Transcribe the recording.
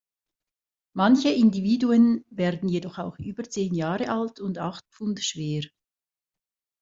Manche Individuen werden jedoch auch über zehn Jahre alt und acht Pfund schwer.